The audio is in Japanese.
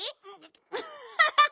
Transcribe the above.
アハハハ！